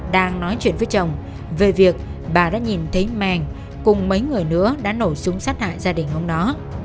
đang nói chuyện với chồng về việc bà đã nhìn thấy màng cùng mấy người nữa đã nổ súng sát hại gia đình ông đó